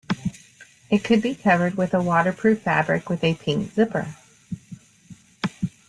It could be covered with a waterproof fabric with a pink zipper.